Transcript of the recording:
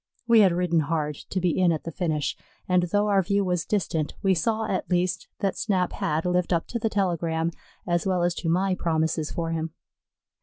We had ridden hard to be in at the finish, and though our view was distant, we saw at least that Snap had lived up to the telegram, as well as to my promises for him.